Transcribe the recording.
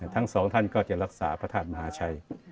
ทั้งสองท่านก็จะรักษาพระธาตุมหาชัย